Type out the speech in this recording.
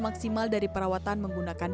maksimal dari perawatan menggunakan